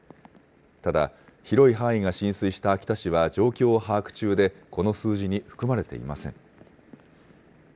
ただ、広い範囲が浸水した秋田市は状況を把握中で、この数字に含まれていません。